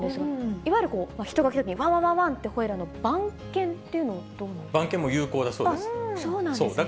いわゆる人が来たときに、わんわんわんわんって吠えるの、番犬っていうのはどうなんですか。